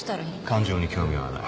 感情に興味はない。